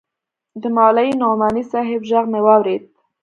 د مولوي نعماني صاحب ږغ مې واورېد.